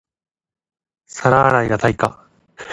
皿洗いが対価